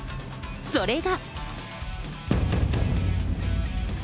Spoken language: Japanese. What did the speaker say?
それが。